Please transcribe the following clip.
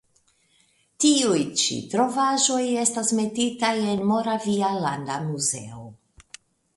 Tiuj ĉi trovaĵoj estas metitaj en Moravia landa muzeo.